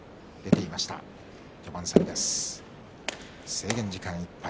制限時間いっぱい。